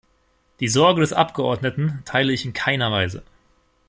Die Sorge des Abgeordneten teile ich in keiner Weise.